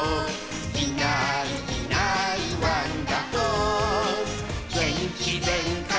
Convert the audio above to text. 「いないいないワンダホーげんきぜんかい」